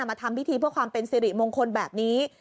มาทำพิธีเพื่อความเป็นสิริมงคลแบบนี้